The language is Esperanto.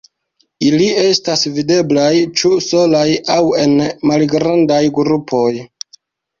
Ili estas videblaj ĉu solaj aŭ en malgrandaj grupoj.